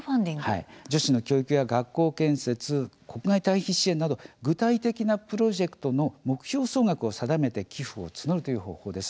女子の教育や学校建設国外退避支援など具体的なプロジェクトの目標総額を定めて寄付を募るという方法です。